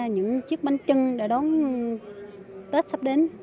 những chiếc bánh chưng đã đón tết sắp đến